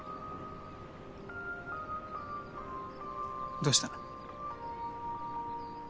どうしたの？